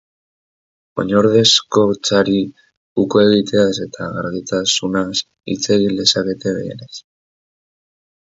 Oinordekotzari uko egiteaz eta gardentasunaz hitz egin lezakete gehienez.